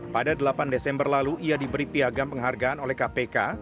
pada delapan desember lalu ia diberi piagam penghargaan oleh kpk